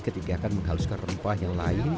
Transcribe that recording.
ketika akan menghaluskan rempah yang lain